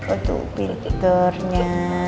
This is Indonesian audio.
oh tuh pilgiturnya